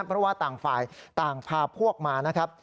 เพราะว่าต่างฝ่ายต่างพาพวกมานะครับ